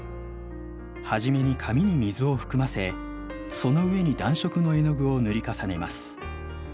初めに紙に水を含ませその上に暖色の絵の具を塗り重ねます。